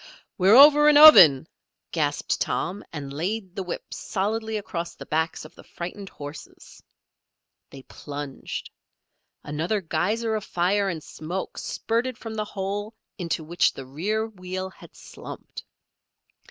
"We're over an oven!" gasped Tom, and laid the whip solidly across the backs of the frightened horses. They plunged. Another geyser of fire and smoke spurted from the hole into which the rear wheel had slumped.